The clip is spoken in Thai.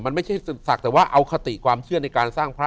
มันไม่ใช่ศักดิ์แต่ว่าเอาคติความเชื่อในการสร้างพระ